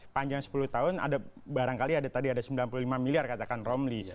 panjang sepuluh tahun ada barangkali ada tadi ada sembilan puluh lima miliar katakan romli